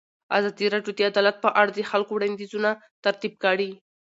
ازادي راډیو د عدالت په اړه د خلکو وړاندیزونه ترتیب کړي.